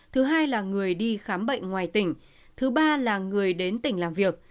thứ hai là người đi khám bệnh ngoài tỉnh thứ ba là người đến tỉnh làm việc